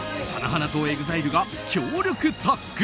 花とＥＸＩＬＥが強力タッグ。